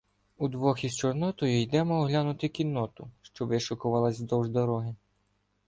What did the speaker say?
Удвох із Чорнотою йдемо оглянути кінноту, що вишикувалася вздовждо- роги.